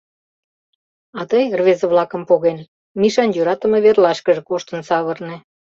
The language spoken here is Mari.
А тый, рвезе-влакым поген, Мишан йӧратыме верлашкыже коштын савырне.